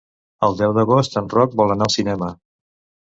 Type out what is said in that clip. El deu d'agost en Roc vol anar al cinema.